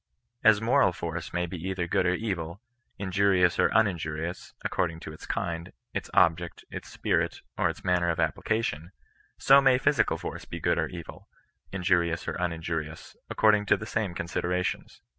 As m^oral force may be either good or evil, inju rious or iminjurious, according to its kind, its object, its b3 6 CHRISTIAN NON BESISTANOB. spirit, or its manner of application ; so may physical force be good or evil, injurious or uninjurious, according to the same considerations.